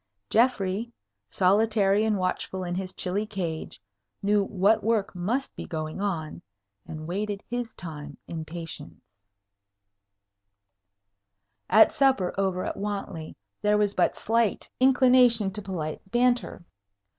Geoffrey, solitary and watchful in his chilly cage, knew what work must be going on, and waited his time in patience. [Illustration: Elaine cometh into the Cellar] At supper over at Wantley there was but slight inclination to polite banter.